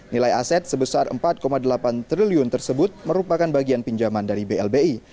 nilai aset sebesar empat delapan triliun tersebut merupakan bagian pinjaman dari blbi